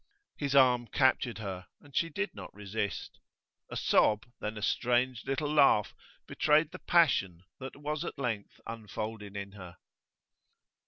His arm captured her, and she did not resist. A sob, then a strange little laugh, betrayed the passion that was at length unfolded in her.